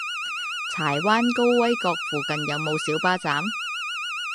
柴灣高威閣附近有無小巴站？